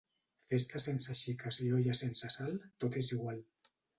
Festa sense xiques i olla sense sal, tot és igual.